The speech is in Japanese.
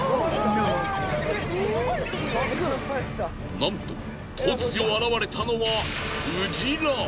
なんと突如現れたのは。